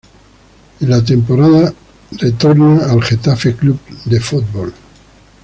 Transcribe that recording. En la temporada retorna al Getafe Club de Fútbol.